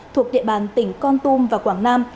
thuộc địa bàn tỉnh con tum và quảng nam